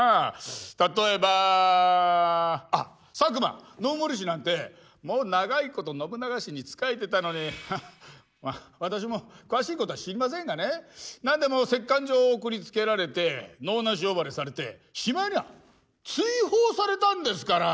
例えばあっ佐久間信盛氏なんてもう長いこと信長氏に仕えてたのに私も詳しいことは知りませんがね何でも折かん状を送りつけられて能なし呼ばわりされてしまいには追放されたんですから！